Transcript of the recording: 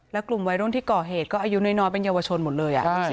แล้วกลุ่มวัยรุ่นที่ก่อเหตุก็อายุน้อยเป็นเยาวชนหมดเลย